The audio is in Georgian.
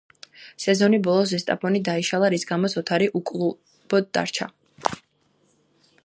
სეზონის ბოლოს „ზესტაფონი“ დაიშალა, რის გამოც ოთარი უკლუბოდ დარჩა.